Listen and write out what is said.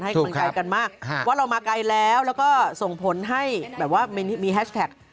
กำลังใจกันมากว่าเรามาไกลแล้วแล้วก็ส่งผลให้แบบว่ามีแฮชแท็ก